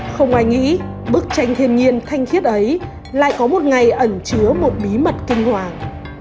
không ai nghĩ bức tranh thiên nhiên thanh khiết ấy lại có một ngày ẩn chứa một bí mật kinh hoàng